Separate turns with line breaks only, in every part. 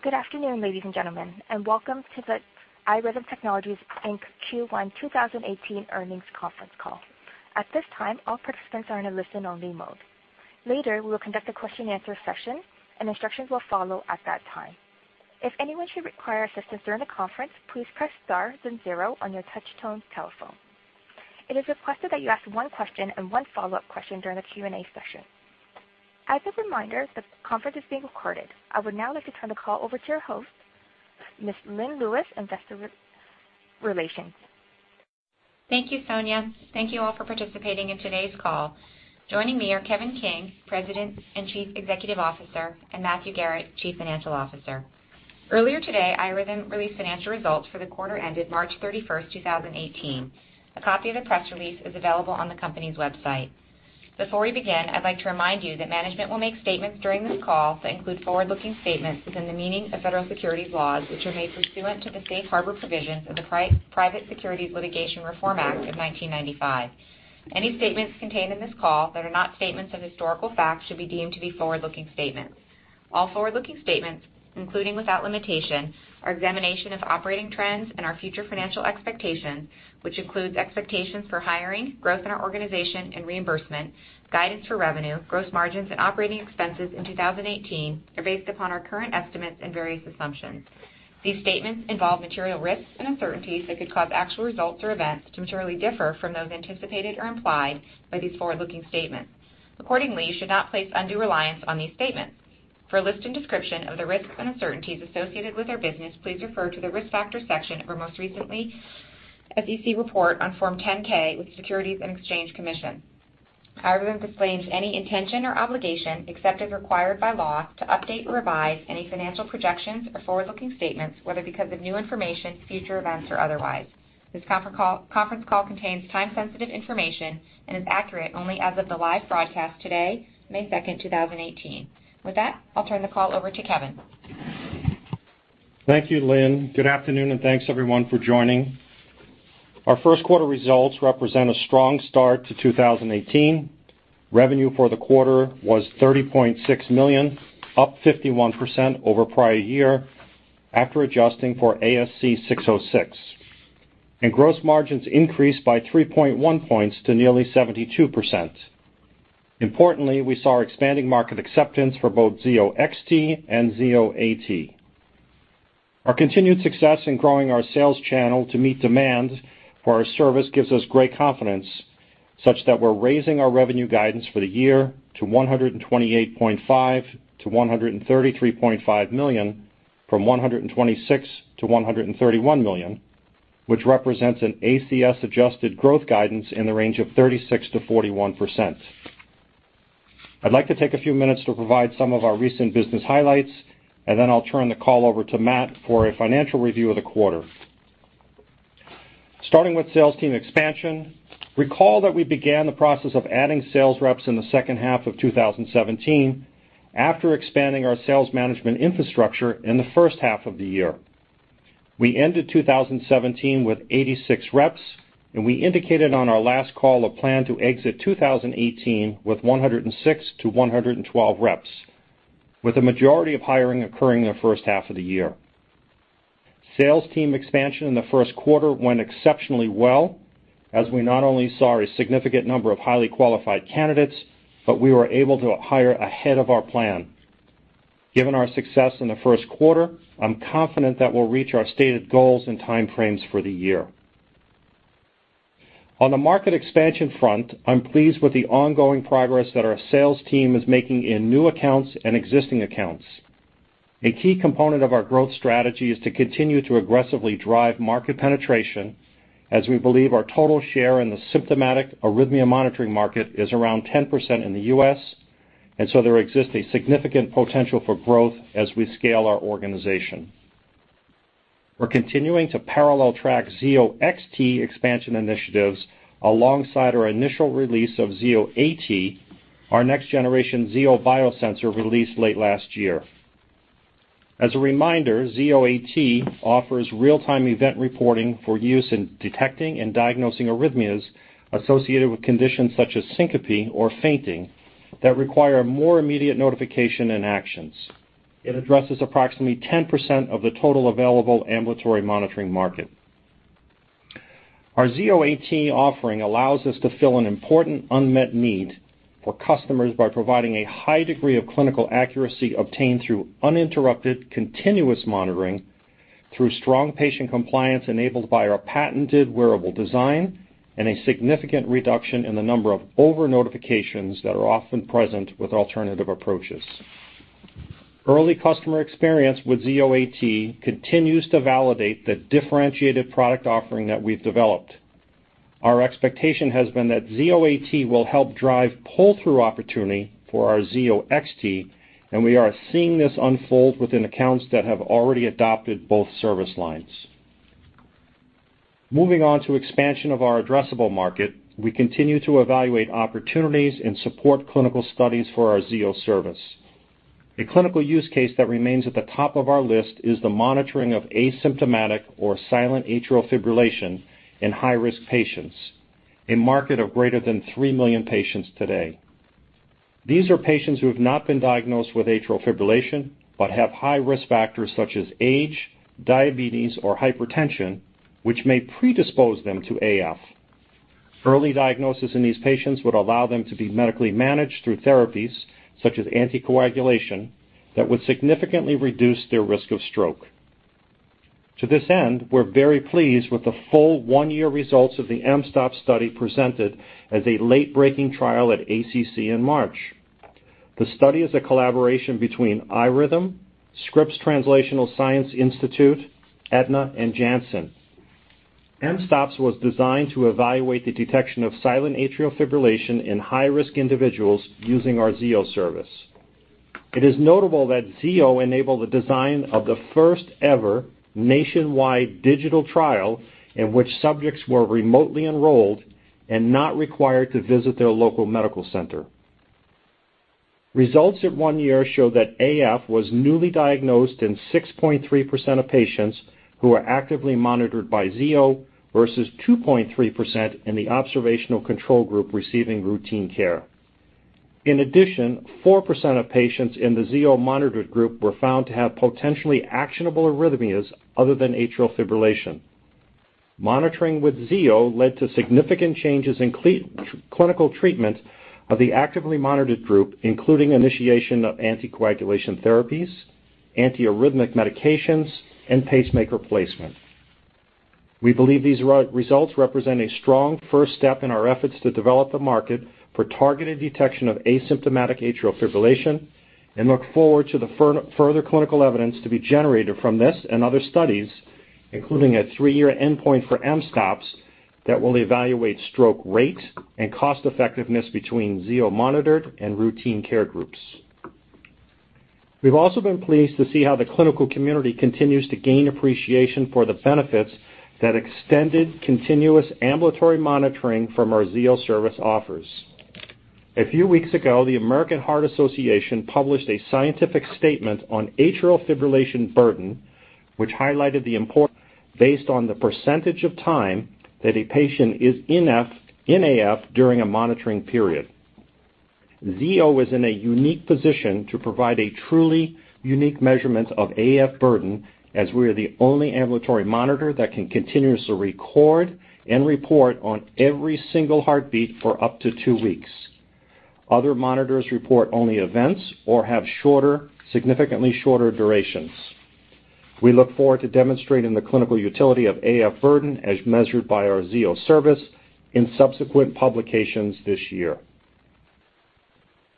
Good afternoon, ladies and gentlemen, and welcome to the iRhythm Technologies Inc. Q1 2018 earnings conference call. At this time, all participants are in a listen-only mode. Later, we will conduct a question and answer session, and instructions will follow at that time. If anyone should require assistance during the conference, please press star then zero on your touch tone telephone. It is requested that you ask one question and one follow-up question during the Q&A session. As a reminder, the conference is being recorded. I would now like to turn the call over to your host, Ms. Lynn Lewis, Investor Relations.
Thank you, Sonia. Thank you all for participating in today's call. Joining me are Kevin King, President and Chief Executive Officer, and Matthew Garrett, Chief Financial Officer. Earlier today, iRhythm released financial results for the quarter ended March 31st, 2018. A copy of the press release is available on the company's website. Before we begin, I'd like to remind you that management will make statements during this call that include forward-looking statements within the meaning of federal securities laws, which are made pursuant to the safe harbor provisions of the Private Securities Litigation Reform Act of 1995. Any statements contained in this call that are not statements of historical fact should be deemed to be forward-looking statements. All forward-looking statements, including, without limitation, our examination of operating trends and our future financial expectations, which includes expectations for hiring, growth in our organization and reimbursement, guidance for revenue, gross margins, and operating expenses in 2018 are based upon our current estimates and various assumptions. These statements involve material risks and uncertainties that could cause actual results or events to materially differ from those anticipated or implied by these forward-looking statements. Accordingly, you should not place undue reliance on these statements. For a list and description of the risks and uncertainties associated with our business, please refer to the Risk Factors section of our most recent SEC report on Form 10-K with the Securities and Exchange Commission. iRhythm disclaims any intention or obligation, except as required by law, to update or revise any financial projections or forward-looking statements, whether because of new information, future events, or otherwise. This conference call contains time-sensitive information and is accurate only as of the live broadcast today, May 2nd, 2018. With that, I'll turn the call over to Kevin.
Thank you, Lynn. Good afternoon and thanks, everyone, for joining. Our first quarter results represent a strong start to 2018. Revenue for the quarter was $30.6 million, up 51% over prior year after adjusting for ASC 606. Gross margins increased by 3.1 points to nearly 72%. Importantly, we saw expanding market acceptance for both Zio XT and Zio AT. Our continued success in growing our sales channel to meet demand for our service gives us great confidence such that we're raising our revenue guidance for the year to $128.5 million-$133.5 million, from $126 million-$131 million, which represents an ASC adjusted growth guidance in the range of 36%-41%. I'd like to take a few minutes to provide some of our recent business highlights. Then I'll turn the call over to Matt for a financial review of the quarter. Starting with sales team expansion, recall that we began the process of adding sales reps in the second half of 2017 after expanding our sales management infrastructure in the first half of the year. We ended 2017 with 86 reps, and we indicated on our last call a plan to exit 2018 with 106-112 reps, with the majority of hiring occurring in the first half of the year. Sales team expansion in the first quarter went exceptionally well as we not only saw a significant number of highly qualified candidates, but we were able to hire ahead of our plan. Given our success in the first quarter, I'm confident that we'll reach our stated goals and time frames for the year. On the market expansion front, I'm pleased with the ongoing progress that our sales team is making in new accounts and existing accounts. A key component of our growth strategy is to continue to aggressively drive market penetration as we believe our total share in the symptomatic arrhythmia monitoring market is around 10% in the U.S. There exists a significant potential for growth as we scale our organization. We're continuing to parallel track Zio XT expansion initiatives alongside our initial release of Zio AT, our next generation Zio biosensor released late last year. As a reminder, Zio AT offers real-time event reporting for use in detecting and diagnosing arrhythmias associated with conditions such as syncope or fainting that require more immediate notification and actions. It addresses approximately 10% of the total available ambulatory monitoring market. Our Zio AT offering allows us to fill an important unmet need for customers by providing a high degree of clinical accuracy obtained through uninterrupted, continuous monitoring through strong patient compliance enabled by our patented wearable design and a significant reduction in the number of overnotifications that are often present with alternative approaches. Early customer experience with Zio AT continues to validate the differentiated product offering that we've developed. Our expectation has been that Zio AT will help drive pull-through opportunity for our Zio XT. We are seeing this unfold within accounts that have already adopted both service lines. Moving on to expansion of our addressable market, we continue to evaluate opportunities and support clinical studies for our Zio service. A clinical use case that remains at the top of our list is the monitoring of asymptomatic or silent atrial fibrillation in high-risk patients, a market of greater than 3 million patients today. These are patients who have not been diagnosed with atrial fibrillation, but have high risk factors such as age, diabetes, or hypertension, which may predispose them to AF. Early diagnosis in these patients would allow them to be medically managed through therapies such as anticoagulation that would significantly reduce their risk of stroke. To this end, we're very pleased with the full one-year results of the mSToPS study presented as a late-breaking trial at ACC in March. The study is a collaboration between iRhythm, Scripps Translational Science Institute, Aetna, and Janssen. mSToPS was designed to evaluate the detection of silent atrial fibrillation in high-risk individuals using our Zio service. It is notable that Zio enabled the design of the first ever nationwide digital trial in which subjects were remotely enrolled and not required to visit their local medical center. Results at one year show that AF was newly diagnosed in 6.3% of patients who were actively monitored by Zio, versus 2.3% in the observational control group receiving routine care. In addition, 4% of patients in the Zio monitored group were found to have potentially actionable arrhythmias other than atrial fibrillation. Monitoring with Zio led to significant changes in clinical treatment of the actively monitored group, including initiation of anticoagulation therapies, antiarrhythmic medications, and pacemaker placement. We believe these results represent a strong first step in our efforts to develop the market for targeted detection of asymptomatic atrial fibrillation and look forward to the further clinical evidence to be generated from this and other studies, including a three-year endpoint for mSToPS that will evaluate stroke rate and cost effectiveness between Zio monitored and routine care groups. We've also been pleased to see how the clinical community continues to gain appreciation for the benefits that extended, continuous ambulatory monitoring from our Zio service offers. A few weeks ago, the American Heart Association published a scientific statement on atrial fibrillation burden, which highlighted the import based on the percentage of time that a patient is in AF during a monitoring period. Zio is in a unique position to provide a truly unique measurement of AF burden, as we are the only ambulatory monitor that can continuously record and report on every single heartbeat for up to two weeks. Other monitors report only events or have significantly shorter durations. We look forward to demonstrating the clinical utility of AF burden as measured by our Zio service in subsequent publications this year.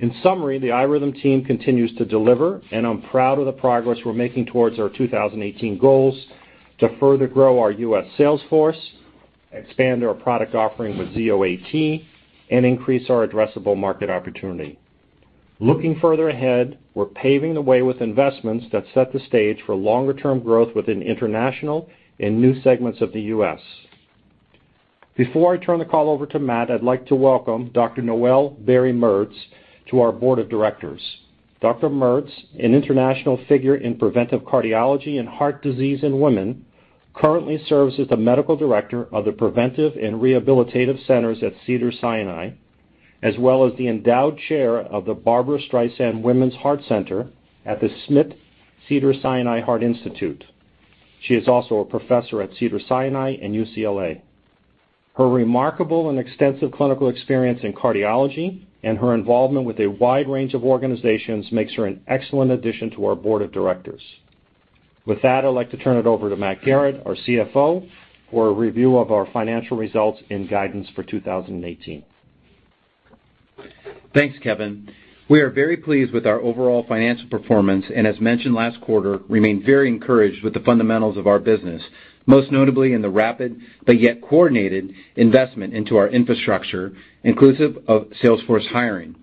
In summary, the iRhythm team continues to deliver, and I'm proud of the progress we're making towards our 2018 goals to further grow our U.S. sales force, expand our product offering with Zio AT, and increase our addressable market opportunity. Looking further ahead, we're paving the way with investments that set the stage for longer-term growth within international and new segments of the U.S. Before I turn the call over to Matt, I'd like to welcome Dr. Noel Bairey Merz to our board of directors. Dr. Merz, an international figure in preventive cardiology and heart disease in women, currently serves as the medical director of the Preventive and Rehabilitative Centers at Cedars-Sinai, as well as the endowed chair of the Barbra Streisand Women's Heart Center at the Smidt Cedars-Sinai Heart Institute. She is also a professor at Cedars-Sinai and UCLA. Her remarkable and extensive clinical experience in cardiology and her involvement with a wide range of organizations makes her an excellent addition to our board of directors. With that, I'd like to turn it over to Matt Garrett, our CFO, for a review of our financial results and guidance for 2018.
Thanks, Kevin. We are very pleased with our overall financial performance, and as mentioned last quarter, remain very encouraged with the fundamentals of our business, most notably in the rapid, but yet coordinated, investment into our infrastructure, inclusive of salesforce hiring.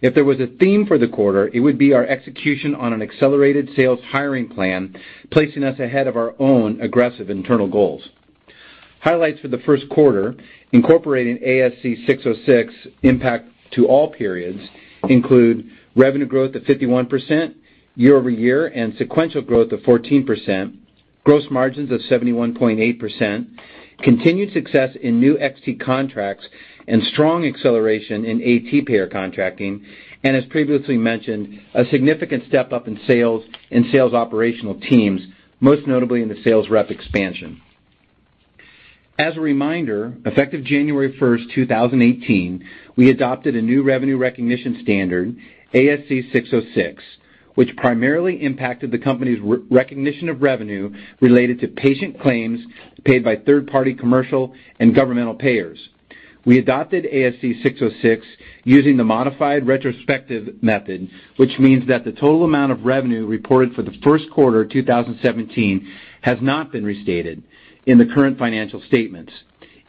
If there was a theme for the quarter, it would be our execution on an accelerated sales hiring plan, placing us ahead of our own aggressive internal goals. Highlights for the first quarter incorporating ASC 606 impact to all periods include revenue growth of 51% year-over-year and sequential growth of 14%, gross margins of 71.8%, continued success in new XT contracts and strong acceleration in AT payer contracting, and as previously mentioned, a significant step up in sales and sales operational teams, most notably in the sales rep expansion. As a reminder, effective January 1st, 2018, we adopted a new revenue recognition standard, ASC 606, which primarily impacted the company's recognition of revenue related to patient claims paid by third-party commercial and governmental payers. We adopted ASC 606 using the modified retrospective method, which means that the total amount of revenue reported for the first quarter 2017 has not been restated in the current financial statements.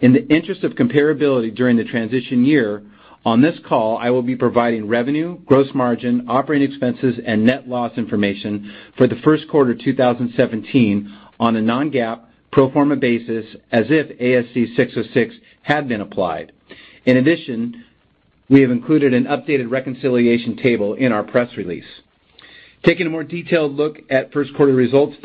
In the interest of comparability during the transition year, on this call, I will be providing revenue, gross margin, operating expenses, and net loss information for the first quarter 2017 on a non-GAAP pro forma basis, as if ASC 606 had been applied. In addition, we have included an updated reconciliation table in our press release. Taking a more detailed look at first quarter results,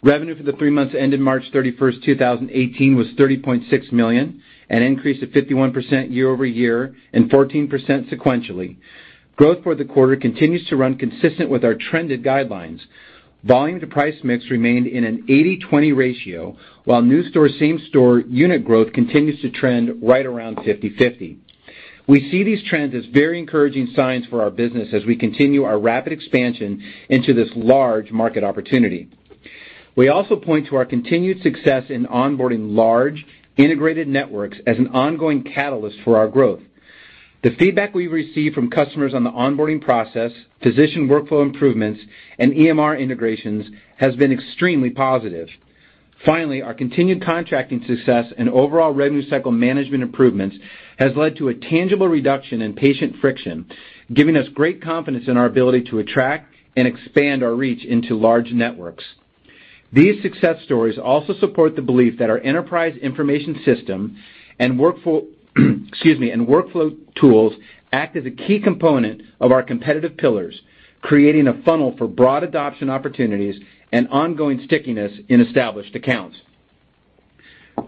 revenue for the three months ended March 31st, 2018 was $30.6 million, an increase of 51% year-over-year and 14% sequentially. Growth for the quarter continues to run consistent with our trended guidelines. Volume to price mix remained in an 80/20 ratio, while new store, same store unit growth continues to trend right around 50/50. We see these trends as very encouraging signs for our business as we continue our rapid expansion into this large market opportunity. We also point to our continued success in onboarding large integrated networks as an ongoing catalyst for our growth. The feedback we've received from customers on the onboarding process, physician workflow improvements, and EMR integrations has been extremely positive. Our continued contracting success and overall revenue cycle management improvements has led to a tangible reduction in patient friction, giving us great confidence in our ability to attract and expand our reach into large networks. These success stories also support the belief that our enterprise information system and workflow tools act as a key component of our competitive pillars, creating a funnel for broad adoption opportunities and ongoing stickiness in established accounts.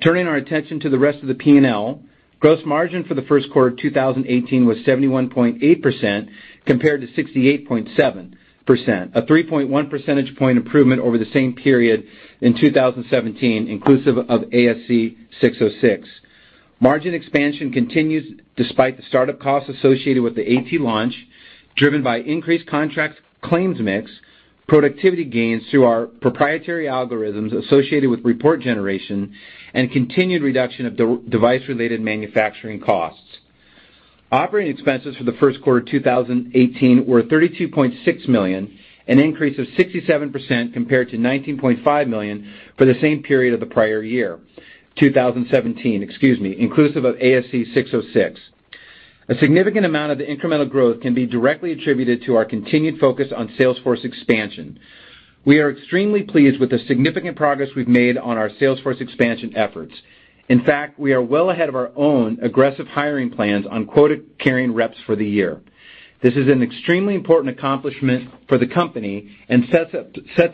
Turning our attention to the rest of the P&L, gross margin for the first quarter 2018 was 71.8% compared to 68.7%, a 3.1 percentage point improvement over the same period in 2017, inclusive of ASC 606. Margin expansion continues despite the startup costs associated with the AT launch, driven by increased contract claims mix, productivity gains through our proprietary algorithms associated with report generation, and continued reduction of device-related manufacturing costs. Operating expenses for the first quarter 2018 were $32.6 million, an increase of 67% compared to $19.5 million for the same period of the prior year, 2017, inclusive of ASC 606. A significant amount of the incremental growth can be directly attributed to our continued focus on sales force expansion. We are extremely pleased with the significant progress we've made on our sales force expansion efforts. In fact, we are well ahead of our own aggressive hiring plans on quota-carrying reps for the year. This is an extremely important accomplishment for the company and sets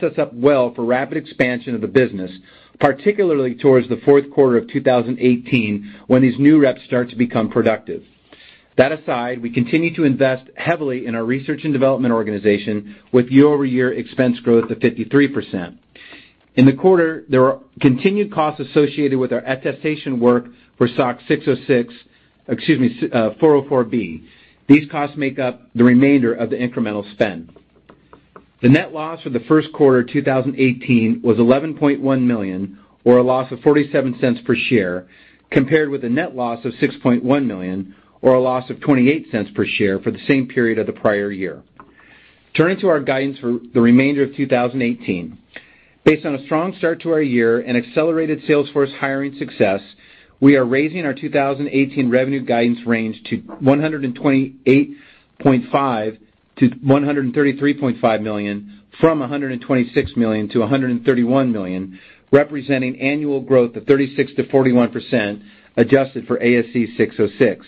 us up well for rapid expansion of the business, particularly towards the fourth quarter of 2018 when these new reps start to become productive. That aside, we continue to invest heavily in our research and development organization with year-over-year expense growth of 53%. In the quarter, there are continued costs associated with our attestation work for SOX 404. These costs make up the remainder of the incremental spend. The net loss for the first quarter 2018 was $11.1 million, or a loss of $0.47 per share, compared with a net loss of $6.1 million, or a loss of $0.28 per share for the same period of the prior year. Turning to our guidance for the remainder of 2018. Based on a strong start to our year and accelerated sales force hiring success, we are raising our 2018 revenue guidance range to $128.5 million-$133.5 million from $126 million-$131 million, representing annual growth of 36%-41% adjusted for ASC 606.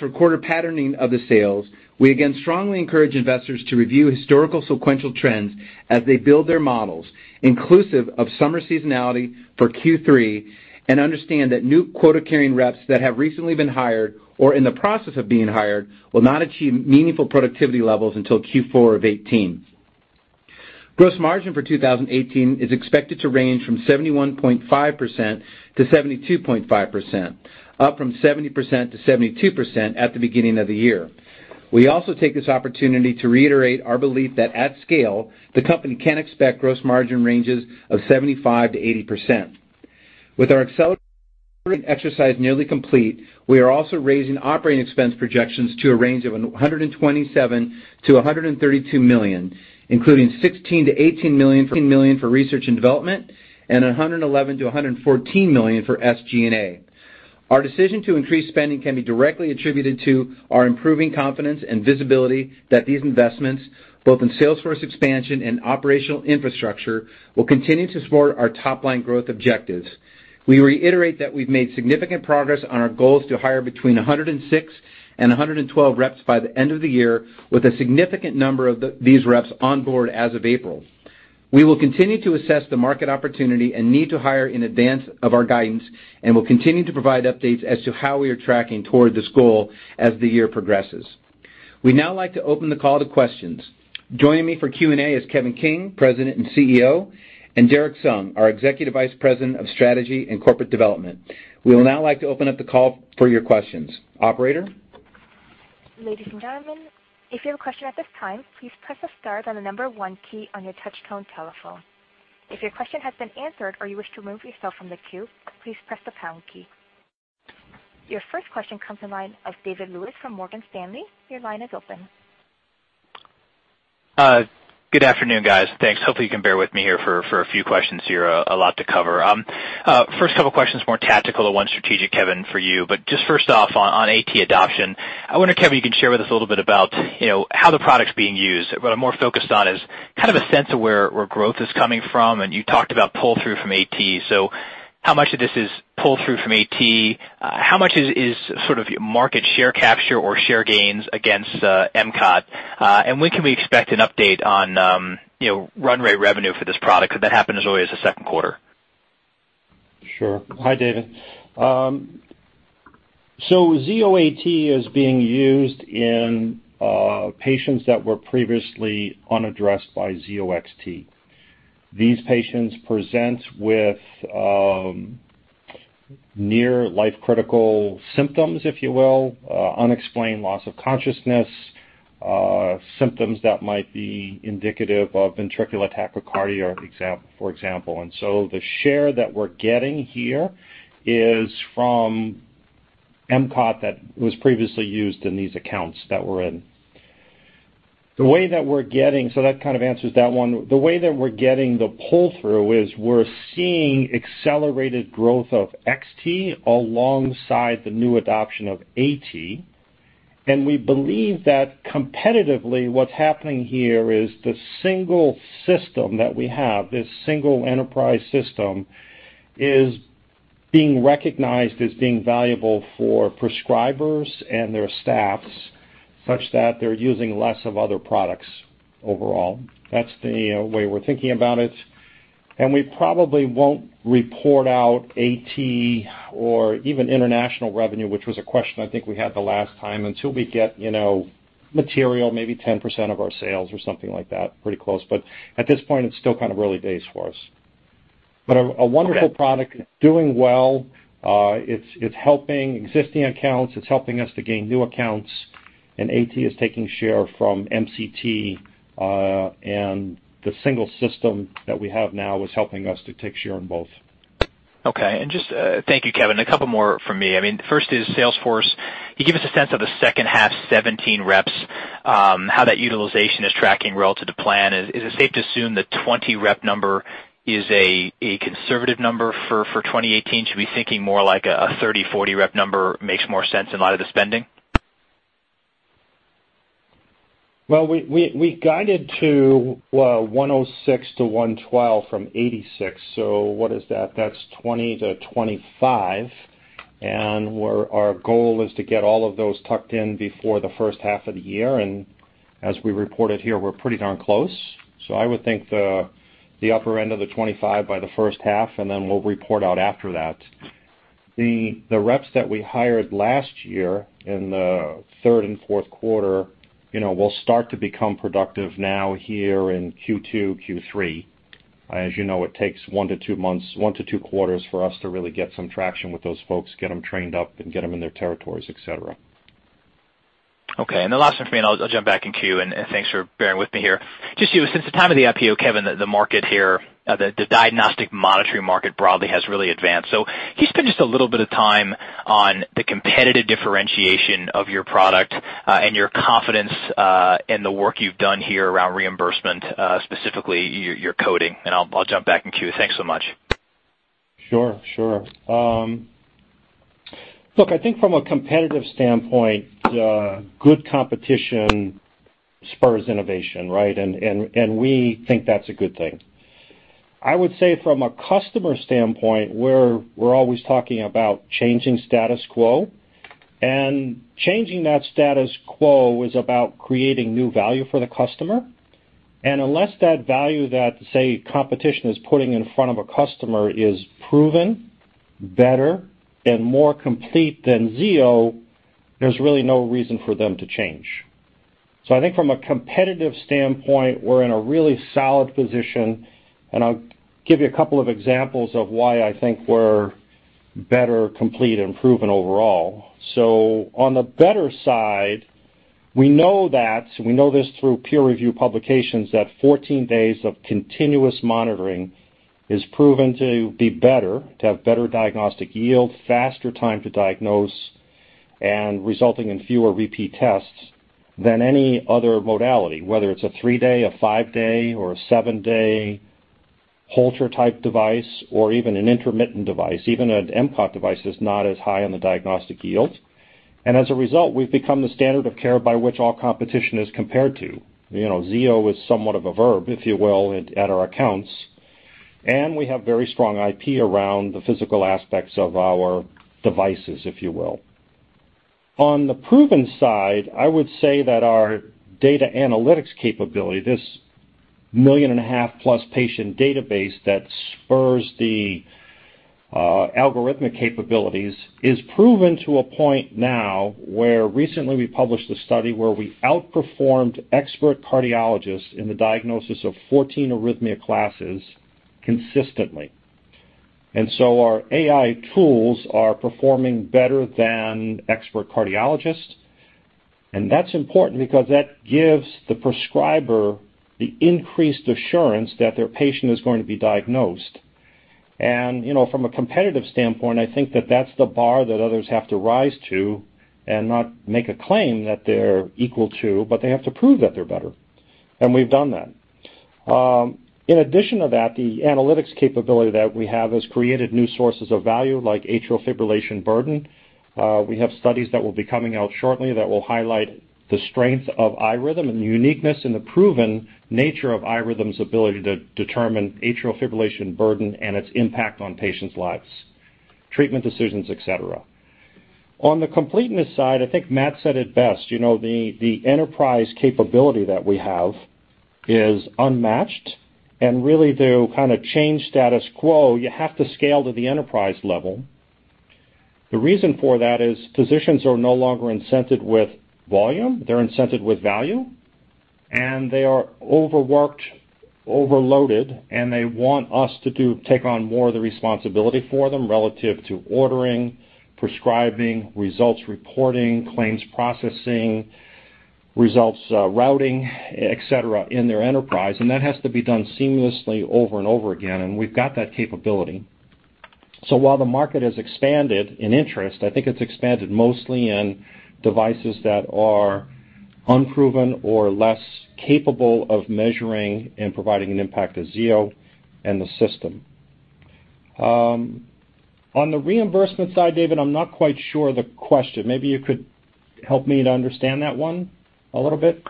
For quarter patterning of the sales, we again strongly encourage investors to review historical sequential trends as they build their models, inclusive of summer seasonality for Q3, and understand that new quota-carrying reps that have recently been hired or in the process of being hired will not achieve meaningful productivity levels until Q4 of 2018. Gross margin for 2018 is expected to range from 71.5%-72.5%, up from 70%-72% at the beginning of the year. We also take this opportunity to reiterate our belief that at scale, the company can expect gross margin ranges of 75%-80%. With our exercise nearly complete, we are also raising operating expense projections to a range of $127 million-$132 million, including $16 million-$18 million for research and development and $111 million-$114 million for SG&A. Our decision to increase spending can be directly attributed to our improving confidence and visibility that these investments, both in sales force expansion and operational infrastructure, will continue to support our top-line growth objectives. We reiterate that we've made significant progress on our goals to hire between 106 and 112 reps by the end of the year, with a significant number of these reps on board as of April. We will continue to assess the market opportunity and need to hire in advance of our guidance and will continue to provide updates as to how we are tracking toward this goal as the year progresses. We'd now like to open the call to questions. Joining me for Q&A is Kevin King, President and CEO, and Derrick Sung, our Executive Vice President of Strategy and Corporate Development. We will now like to open up the call for your questions. Operator?
Ladies and gentlemen, if you have a question at this time, please press the star then the number one key on your touch tone telephone. If your question has been answered or you wish to remove yourself from the queue, please press the pound key. Your first question comes in line of David Lewis from Morgan Stanley. Your line is open.
Good afternoon, guys. Thanks. Hopefully, you can bear with me here for a few questions here. A lot to cover. First couple questions, more tactical and one strategic, Kevin, for you. Just first off, on AT adoption, I wonder, Kevin, you can share with us a little bit about how the product's being used. What I'm more focused on is a sense of where growth is coming from, and you talked about pull-through from AT. How much of this is pull-through from AT? How much is sort of market share capture or share gains against MCOT? When can we expect an update on run rate revenue for this product? Because that happens always the second quarter.
Sure. Hi, David. Zio AT is being used in patients that were previously unaddressed by Zio XT. These patients present with near life-critical symptoms, if you will, unexplained loss of consciousness, symptoms that might be indicative of ventricular tachycardia, for example. The share that we're getting here is from MCOT that was previously used in these accounts that we're in. That kind of answers that one. The way that we're getting the pull-through is we're seeing accelerated growth of XT alongside the new adoption of AT. We believe that competitively what's happening here is the single system that we have, this single enterprise system, is being recognized as being valuable for prescribers and their staffs such that they're using less of other products overall. That's the way we're thinking about it. We probably won't report out AT or even international revenue, which was a question I think we had the last time, until we get material, maybe 10% of our sales or something like that, pretty close. At this point, it's still kind of early days for us.
Okay.
A wonderful product. It's doing well. It's helping existing accounts. It's helping us to gain new accounts. AT is taking share from MCOT. The single system that we have now is helping us to take share on both.
Okay. Thank you, Kevin. A couple more from me. First is sales force. Can you give us a sense of the second half 2017 reps, how that utilization is tracking relative to plan? Is it safe to assume the 20 rep number is a conservative number for 2018? Should we be thinking more like a 30, 40 rep number makes more sense in light of the spending?
Well, we guided to 106 to 112 from 86. What is that? That's 20 to 25. Our goal is to get all of those tucked in before the first half of the year. As we reported here, we're pretty darn close. I would think the upper end of the 25 by the first half, and then we'll report out after that. The reps that we hired last year in the third and fourth quarter will start to become productive now here in Q2, Q3. As you know, it takes one to two quarters for us to really get some traction with those folks, get them trained up, and get them in their territories, et cetera.
Okay. The last one for me, and I'll jump back in queue, and thanks for bearing with me here. Just since the time of the IPO, Kevin, the diagnostic monitoring market broadly has really advanced. Can you spend just a little bit of time on the competitive differentiation of your product and your confidence in the work you've done here around reimbursement, specifically your coding? I'll jump back in queue. Thanks so much.
Sure. Look, I think from a competitive standpoint, good competition spurs innovation, right? We think that's a good thing. I would say from a customer standpoint, we're always talking about changing status quo, and changing that status quo is about creating new value for the customer. Unless that value that, say, competition is putting in front of a customer is proven better and more complete than Zio, there's really no reason for them to change. I think from a competitive standpoint, we're in a really solid position, and I'll give you a couple of examples of why I think we're better, complete, and proven overall. On the better side, we know this through peer review publications, that 14 days of continuous monitoring is proven to be better, to have better diagnostic yield, faster time to diagnose, and resulting in fewer repeat tests than any other modality, whether it's a three-day, a five-day, or a seven-day Holter type device, or even an intermittent device. Even an MCOT device is not as high on the diagnostic yield. As a result, we've become the standard of care by which all competition is compared to. Zio is somewhat of a verb, if you will, at our accounts. We have very strong IP around the physical aspects of our devices, if you will. On the proven side, I would say that our data analytics capability, this 1.5 million plus patient database that spurs the algorithmic capabilities, is proven to a point now where recently we published a study where we outperformed expert cardiologists in the diagnosis of 14 arrhythmia classes consistently. Our AI tools are performing better than expert cardiologists. That's important because that gives the prescriber the increased assurance that their patient is going to be diagnosed. From a competitive standpoint, I think that that's the bar that others have to rise to and not make a claim that they're equal to, but they have to prove that they're better. We've done that. In addition to that, the analytics capability that we have has created new sources of value like atrial fibrillation burden. We have studies that will be coming out shortly that will highlight the strength of iRhythm and the uniqueness and the proven nature of iRhythm's ability to determine atrial fibrillation burden and its impact on patients' lives, treatment decisions, et cetera. On the completeness side, I think Matt said it best. The enterprise capability that we have is unmatched. Really to change status quo, you have to scale to the enterprise level. The reason for that is physicians are no longer incented with volume. They're incented with value, and they are overworked, overloaded, and they want us to take on more of the responsibility for them relative to ordering, prescribing, results reporting, claims processing, results routing, et cetera, in their enterprise. That has to be done seamlessly over and over again, and we've got that capability. While the market has expanded in interest, I think it's expanded mostly in devices that are unproven or less capable of measuring and providing an impact as Zio and the system. On the reimbursement side, David, I'm not quite sure the question. Maybe you could help me to understand that one a little bit.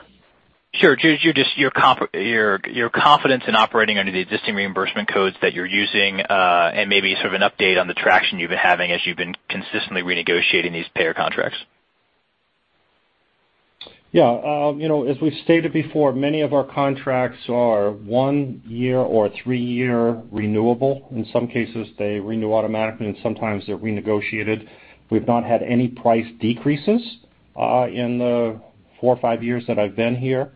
Sure. Just your confidence in operating under the existing reimbursement codes that you're using, and maybe sort of an update on the traction you've been having as you've been consistently renegotiating these payer contracts.
Yeah. As we've stated before, many of our contracts are one-year or three-year renewable. In some cases, they renew automatically, and sometimes they're renegotiated. We've not had any price decreases in the four or five years that I've been here.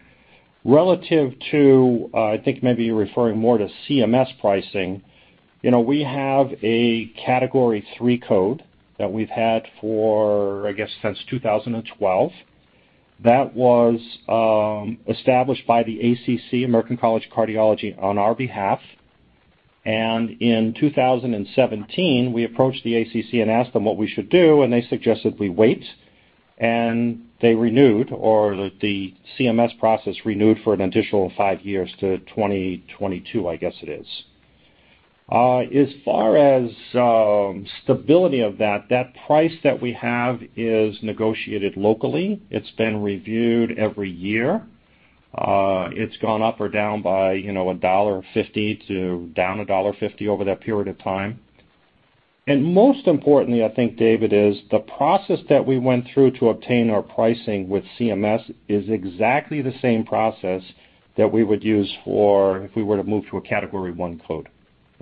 Relative to, I think maybe you're referring more to CMS pricing. We have a Category III code that we've had for, I guess, since 2012. That was established by the ACC, American College of Cardiology, on our behalf. In 2017, we approached the ACC and asked them what we should do, and they suggested we wait, and they renewed, or the CMS process renewed for an additional five years to 2022, I guess it is. As far as stability of that price that we have is negotiated locally. It's been reviewed every year. Most importantly, I think, David, is the process that we went through to obtain our pricing with CMS is exactly the same process that we would use if we were to move to a Category I code.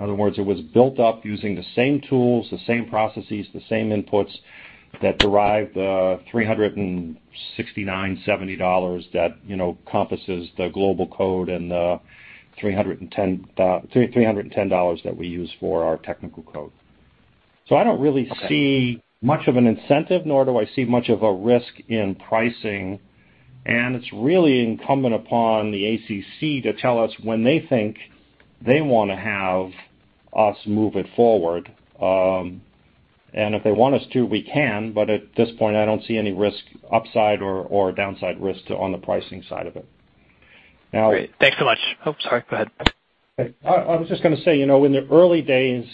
In other words, it was built up using the same tools, the same processes, the same inputs that derive the $369, $370 that encompasses the global code and the $310 that we use for our technical code. I don't really see much of an incentive, nor do I see much of a risk in pricing. It's really incumbent upon the ACC to tell us when they think they want to have us move it forward. If they want us to, we can, at this point, I don't see any risk, upside or downside risk on the pricing side of it.
Great. Thanks so much. Oh, sorry. Go ahead.
I was just going to say, in the early days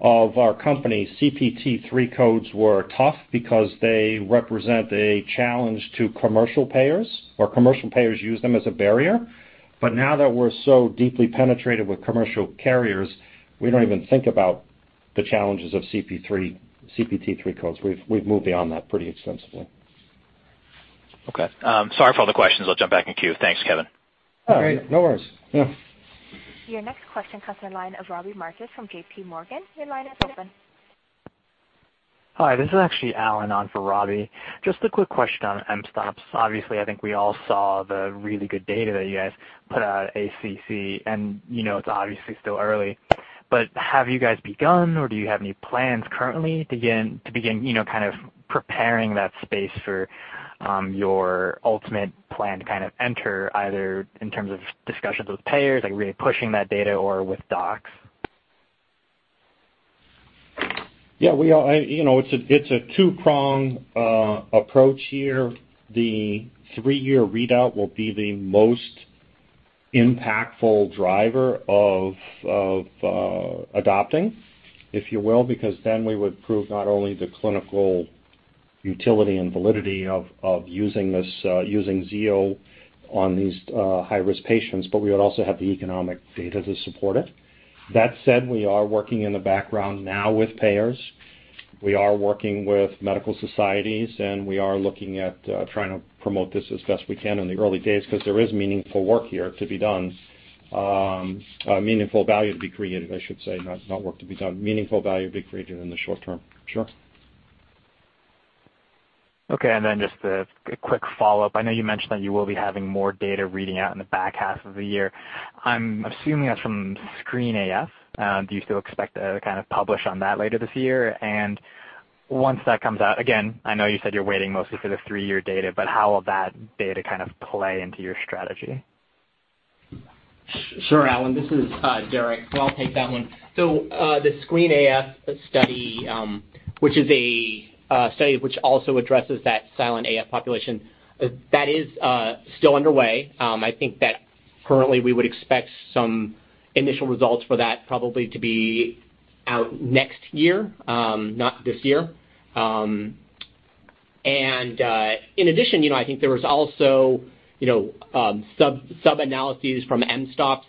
of our company, CPT III codes were tough because they represent a challenge to commercial payers, or commercial payers use them as a barrier. Now that we're so deeply penetrated with commercial carriers, we don't even think about the challenges of CPT III codes. We've moved beyond that pretty extensively.
Okay. Sorry for all the questions. I'll jump back in queue. Thanks, Kevin.
All right. No worries. Yeah.
Your next question comes from the line of Robbie Marcus from JPMorgan. Your line is open.
Hi, this is actually Alan on for Robbie. Just a quick question on mSToPS. Obviously, I think we all saw the really good data that you guys put out at ACC, and it's obviously still early. Have you guys begun, or do you have any plans currently to begin kind of preparing that space for your ultimate plan to kind of enter either in terms of discussions with payers, like really pushing that data or with docs?
Yeah. It's a two-prong approach here. The three-year readout will be the most impactful driver of adopting, if you will, because then we would prove not only the clinical utility and validity of using Zio on these high-risk patients, but we would also have the economic data to support it. That said, we are working in the background now with payers. We are working with medical societies, and we are looking at trying to promote this as best we can in the early days because there is meaningful work here to be done. Meaningful value to be created, I should say, not work to be done. Meaningful value to be created in the short term. Sure.
Okay, then just a quick follow-up. I know you mentioned that you will be having more data reading out in the back half of the year. I'm assuming that's from SCREEN-AF. Do you still expect to kind of publish on that later this year? Once that comes out, again, I know you said you're waiting mostly for the three-year data, but how will that data kind of play into your strategy?
Sure, Alan, this is Derrick. I'll take that one. The SCREEN-AF study which is a study which also addresses that silent AF population, that is still underway. I think that currently we would expect some initial results for that probably to be out next year, not this year.
In addition, I think there was also sub-analyses from mSToPS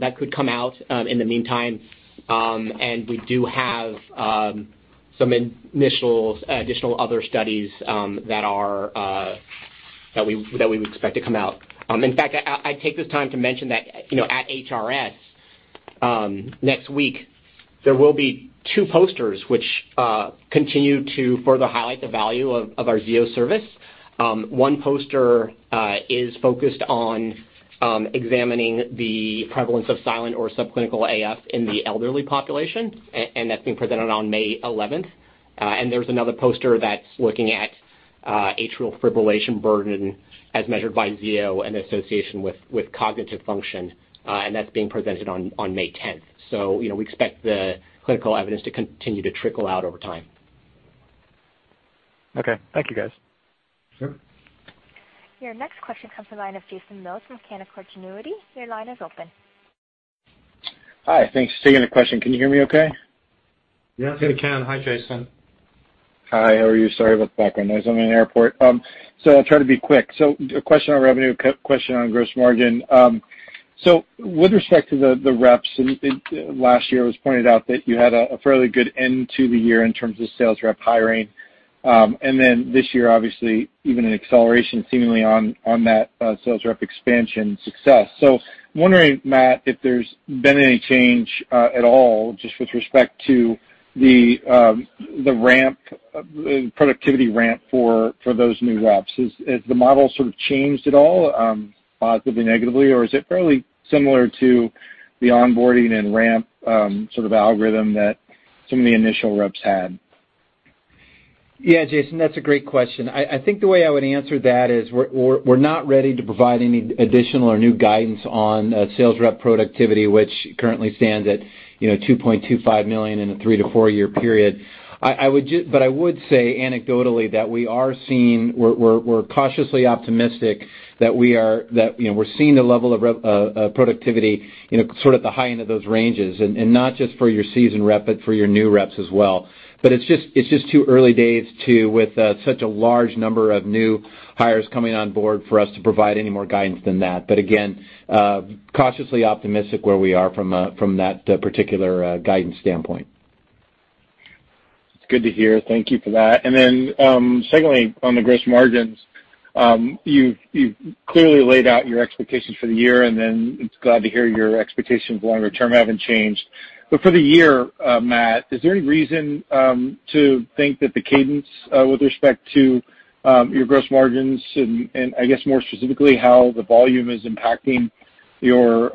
that could come out in the meantime. We do have some additional other studies that we would expect to come out. In fact, I take this time to mention that at HRS next week, there will be two posters which continue to further highlight the value of our Zio service. One poster is focused on examining the prevalence of silent or subclinical AF in the elderly population, and that's being presented on May 11th. There's another poster that's looking at atrial fibrillation burden as measured by Zio in association with cognitive function, and that's being presented on May 10th. We expect the clinical evidence to continue to trickle out over time.
Okay. Thank you, guys.
Sure.
Your next question comes from the line of Jason Mills from Canaccord Genuity. Your line is open.
Hi. Thanks for taking the question. Can you hear me okay?
Yes, we can. Hi, Jason.
Hi, how are you? Sorry about the background noise. I'm in an airport. I'll try to be quick. A question on revenue, question on gross margin. With respect to the reps, last year it was pointed out that you had a fairly good end to the year in terms of sales rep hiring. This year, obviously even an acceleration seemingly on that sales rep expansion success. Wondering, Matt, if there's been any change at all just with respect to the productivity ramp for those new reps. Has the model sort of changed at all, positively, negatively, or is it fairly similar to the onboarding and ramp sort of algorithm that some of the initial reps had?
Jason, that's a great question. I think the way I would answer that is we're not ready to provide any additional or new guidance on sales rep productivity, which currently stands at $2.25 million in a three to four-year period. I would say anecdotally that we're cautiously optimistic that we're seeing the level of productivity sort of at the high end of those ranges, and not just for your seasoned rep, but for your new reps as well. It's just too early days too, with such a large number of new hires coming on board for us to provide any more guidance than that. Again, cautiously optimistic where we are from that particular guidance standpoint.
It's good to hear. Thank you for that. Secondly, on the gross margins, you've clearly laid out your expectations for the year, and then glad to hear your expectations longer term haven't changed. For the year, Matt, is there any reason to think that the cadence with respect to your gross margins and I guess more specifically how the volume is impacting your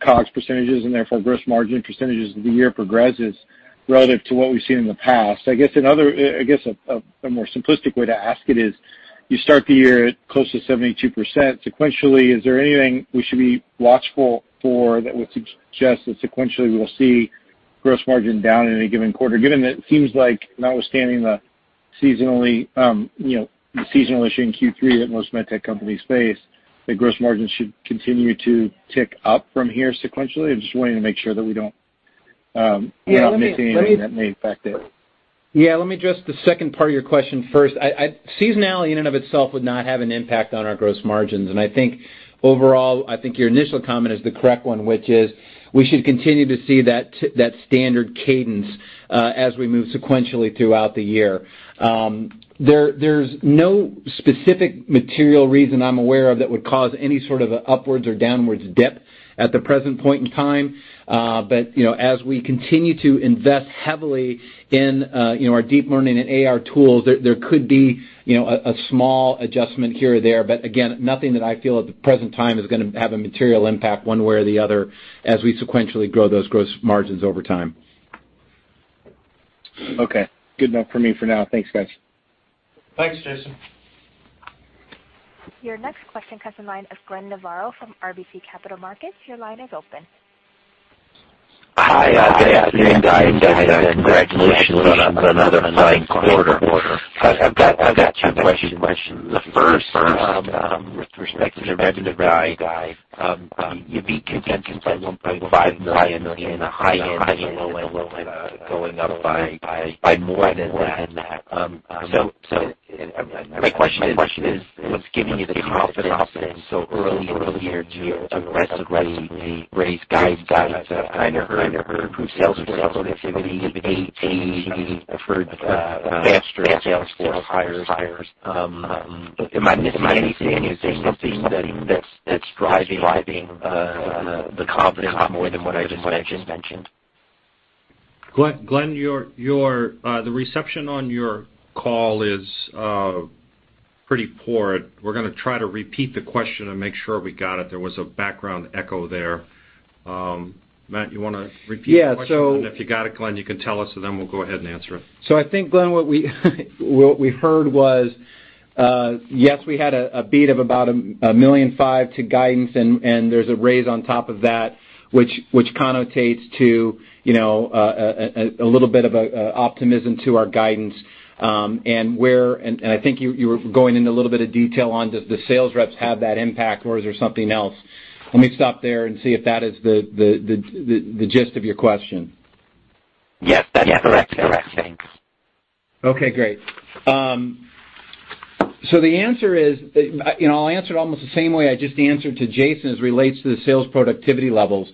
COGS percentages and therefore gross margin percentages as the year progresses relative to what we've seen in the past? I guess a more simplistic way to ask it is, you start the year at close to 72% sequentially. Is there anything we should be watchful for that would suggest that sequentially we will see gross margin down in any given quarter? Given that it seems like notwithstanding the seasonality issue in Q3 that most med tech companies face, the gross margins should continue to tick up from here sequentially. I'm just wanting to make sure that we're not missing anything that may affect it.
Yeah, let me address the second part of your question first. Seasonality in and of itself would not have an impact on our gross margins. I think overall, I think your initial comment is the correct one, which is we should continue to see that standard cadence as we move sequentially throughout the year. There's no specific material reason I'm aware of that would cause any sort of upwards or downwards dip at the present point in time. As we continue to invest heavily in our deep learning and AI tools, there could be a small adjustment here or there. Again, nothing that I feel at the present time is going to have a material impact one way or the other as we sequentially grow those gross margins over time.
Okay, good enough for me for now. Thanks, guys.
Thanks, Jason.
Your next question comes the line of Glenn Novarro from RBC Capital Markets. Your line is open.
Hi, good afternoon, guys, and congratulations on another fine quarter. I've got two questions. The first, with respect to the revenue guide, you beat consensus by $1.5 million in the high end of the low end of going up by more than that. My question is, what's giving you the confidence then so early in the year to aggressively raise guidance? I've kind of heard improved sales force productivity. I've heard faster sales force hires. Am I missing anything? Is there something that's driving the confidence more than what I just mentioned?
Glenn, the reception on your call is pretty poor. We're going to try to repeat the question and make sure we got it. There was a background echo there. Matt, you want to repeat the question?
Yeah,
If you got it, Glenn, you can tell us, then we'll go ahead and answer it.
I think, Glenn, what we heard was yes, we had a beat of about $1.5 million to guidance, and there's a raise on top of that which connotes to a little bit of optimism to our guidance. I think you were going into a little bit of detail on does the sales reps have that impact or is there something else? Let me stop there and see if that is the gist of your question.
Yes, that's correct. Thanks.
Okay, great. I'll answer it almost the same way I just answered to Jason as it relates to the sales productivity levels.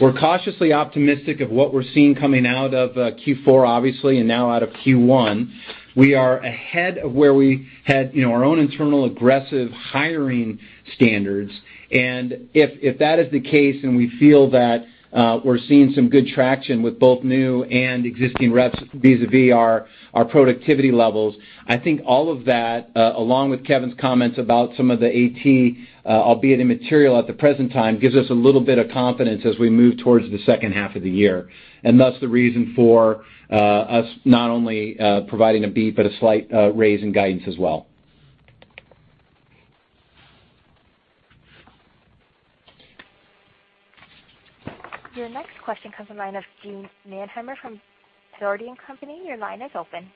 We're cautiously optimistic of what we're seeing coming out of Q4, obviously, and now out of Q1. We are ahead of where we had our own internal aggressive hiring standards. If that is the case, and we feel that we're seeing some good traction with both new and existing reps vis-a-vis our productivity levels, I think all of that, along with Kevin's comments about some of the AT, albeit immaterial at the present time, gives us a little bit of confidence as we move towards the second half of the year. Thus, the reason for us not only providing a beat but a slight raise in guidance as well.
Your next question comes in line of Jean Nunheimer from Securities and Company. Your line is open.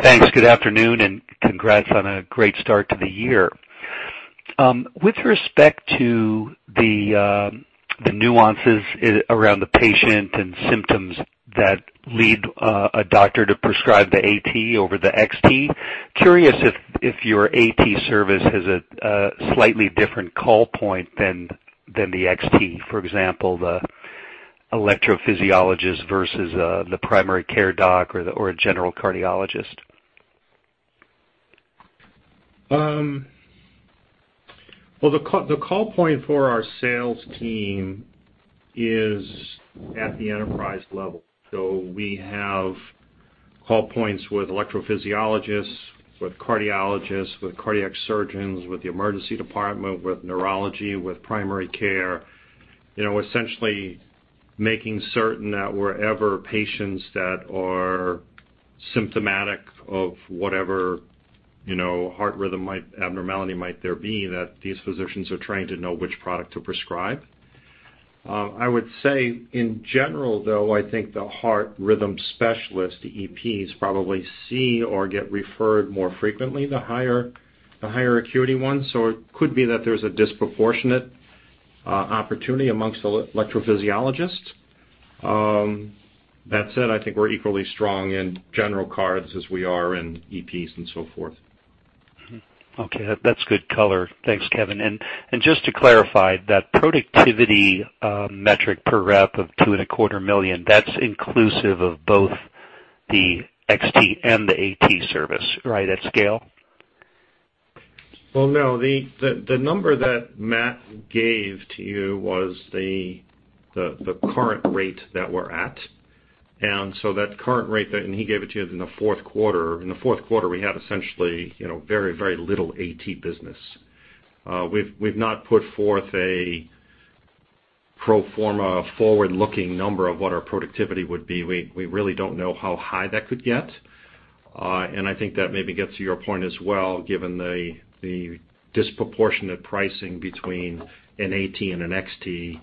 Thanks. Good afternoon, and congrats on a great start to the year. With respect to the nuances around the patient and symptoms that lead a doctor to prescribe the AT over the XT, curious if your AT service has a slightly different call point than the XT. For example, the electrophysiologist versus the primary care doc or a general cardiologist.
Well, the call point for our sales team is at the enterprise level. We have call points with electrophysiologists, with cardiologists, with cardiac surgeons, with the emergency department, with neurology, with primary care, essentially making certain that wherever patients that are symptomatic of whatever heart rhythm abnormality might there be, that these physicians are trained to know which product to prescribe. I would say in general, though, I think the heart rhythm specialist, the EPs, probably see or get referred more frequently, the higher acuity ones. It could be that there's a disproportionate opportunity amongst electrophysiologists. That said, I think we're equally strong in general cards as we are in EPs and so forth.
Okay. That's good color. Thanks, Kevin. Just to clarify, that productivity metric per rep of two and a quarter million, that's inclusive of both the XT and the AT service, right, at scale?
Well, no. The number that Matt gave to you was the current rate that we're at. So that current rate that he gave it to you is in the fourth quarter. In the fourth quarter, we had essentially very little AT business. We've not put forth a pro forma forward-looking number of what our productivity would be. We really don't know how high that could get. And I think that maybe gets to your point as well, given the disproportionate pricing between an AT and an XT.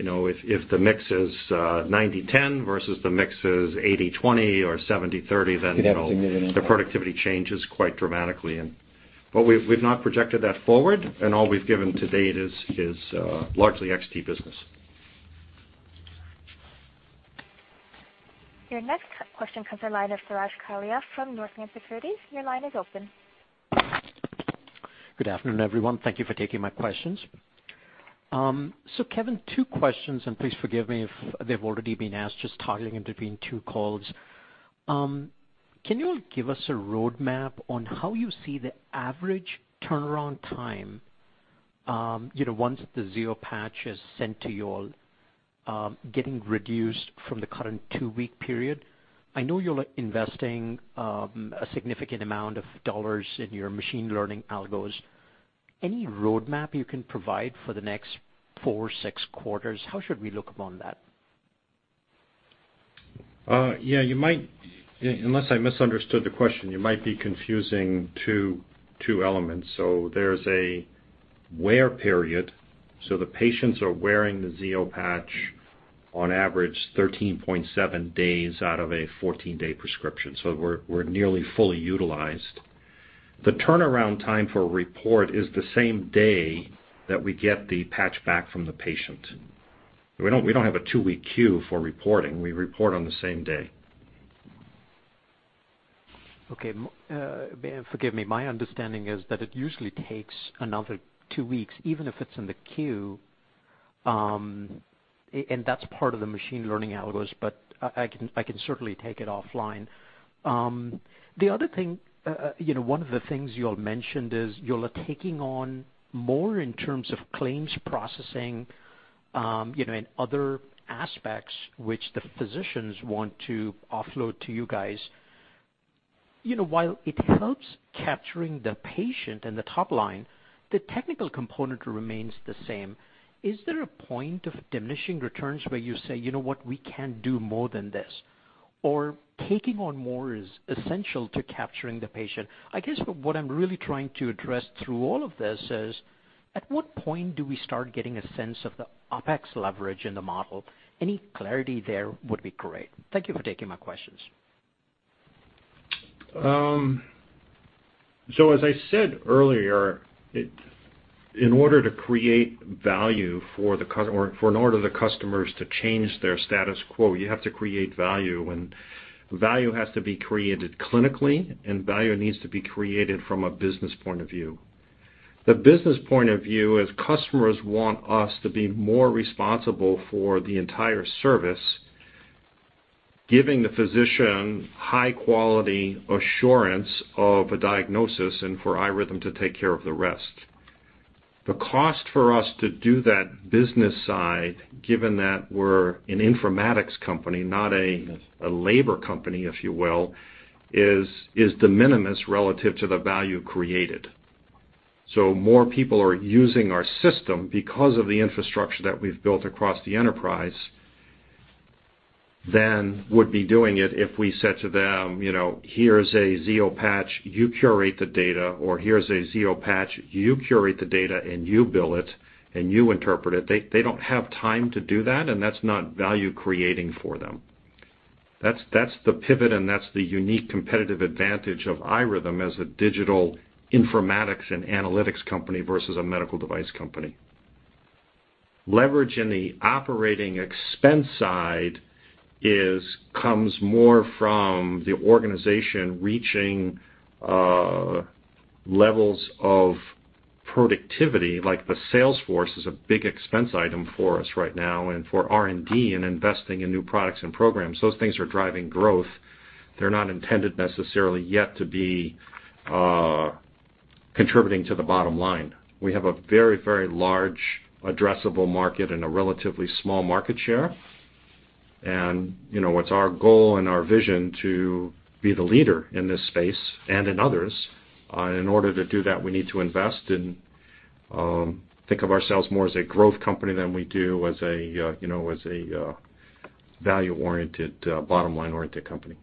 If the mix is 90/10 versus the mix is 80/20 or 70/30, then.
It has a million.
The productivity changes quite dramatically. We've not projected that forward, and all we've given to date is largely XT business.
Your next question comes in line of Suraj Kalia from Northland Securities. Your line is open.
Good afternoon, everyone. Thank you for taking my questions. Kevin, two questions, and please forgive me if they've already been asked, just toggling in between two calls. Can you give us a roadmap on how you see the average turnaround time once the Zio patch is sent to you all getting reduced from the current two-week period? I know you're investing a significant amount of dollars in your machine learning algos. Any roadmap you can provide for the next four, six quarters? How should we look upon that?
Yeah, unless I misunderstood the question, you might be confusing two elements. There's a wear period. The patients are wearing the Zio patch on average 13.7 days out of a 14-day prescription. We're nearly fully utilized. The turnaround time for a report is the same day that we get the patch back from the patient. We don't have a two-week queue for reporting. We report on the same day.
Okay. Forgive me. My understanding is that it usually takes another two weeks, even if it's in the queue, and that's part of the machine learning algos, but I can certainly take it offline. The other thing, one of the things you all mentioned is you all are taking on more in terms of claims processing, and other aspects which the physicians want to offload to you guys. While it helps capturing the patient and the top line, the technical component remains the same. Is there a point of diminishing returns where you say, "You know what? We can't do more than this," or taking on more is essential to capturing the patient? I guess what I'm really trying to address through all of this is, at what point do we start getting a sense of the OpEx leverage in the model? Any clarity there would be great. Thank you for taking my questions.
As I said earlier, in order to create value for an order of the customers to change their status quo, you have to create value, and value has to be created clinically, and value needs to be created from a business point of view. The business point of view is customers want us to be more responsible for the entire service, giving the physician high quality assurance of a diagnosis, and for iRhythm to take care of the rest. The cost for us to do that business side, given that we're an informatics company, not a labor company, if you will, is de minimis relative to the value created. More people are using our system because of the infrastructure that we've built across the enterprise, than would be doing it if we said to them, "Here's a Zio patch. You curate the data," or "Here's a Zio patch. You curate the data and you bill it and you interpret it." They don't have time to do that, and that's not value-creating for them. That's the pivot and that's the unique competitive advantage of iRhythm as a digital informatics and analytics company versus a medical device company. Leverage in the operating expense side comes more from the organization reaching levels of productivity, like the sales force is a big expense item for us right now and for R&D and investing in new products and programs. Those things are driving growth. They're not intended necessarily yet to be contributing to the bottom line. We have a very, very large addressable market and a relatively small market share. It's our goal and our vision to be the leader in this space and in others. In order to do that, we need to invest and think of ourselves more as a growth company than we do as a value-oriented, bottom-line-oriented company.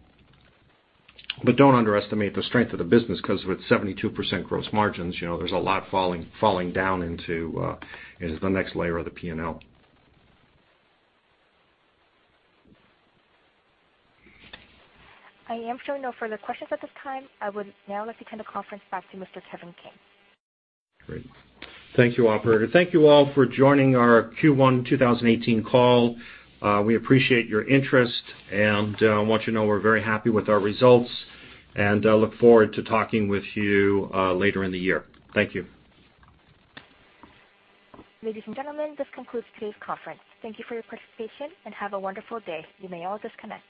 Don't underestimate the strength of the business because with 72% gross margins, there's a lot falling down into the next layer of the P&L.
I am showing no further questions at this time. I would now like to turn the conference back to Mr. Kevin King.
Great. Thank you, operator. Thank you all for joining our Q1 2018 call. We appreciate your interest and want you to know we're very happy with our results and look forward to talking with you later in the year. Thank you.
Ladies and gentlemen, this concludes today's conference. Thank you for your participation and have a wonderful day. You may all disconnect.